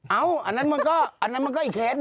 อันนั้นมันก็อันนั้นมันก็อีกเคส